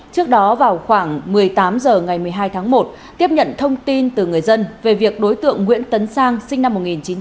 trước đó vào khoảng một mươi tám h ngày một mươi hai tháng một tiếp nhận thông tin từ người dân về việc đối tượng nguyễn tấn sang sinh năm một nghìn chín trăm tám mươi